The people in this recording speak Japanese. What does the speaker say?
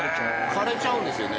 枯れちゃうんですよね。